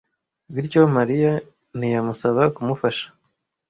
bityo Mariya ntiyamusaba kumufasha.